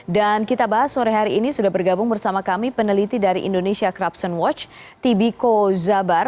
dan kita bahas sore hari ini sudah bergabung bersama kami peneliti dari indonesia corruption watch tibiko zabar